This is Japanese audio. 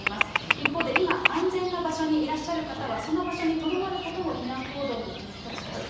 一方で今安全な場所にいらっしゃる方は、その場所にとどまることも避難行動のうちの一つです。